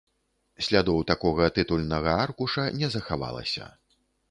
Слядоў такога тытульнага аркуша не захавалася.